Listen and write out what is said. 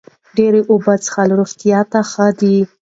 ډېرې اوبه څښل روغتیا ته ښه دي.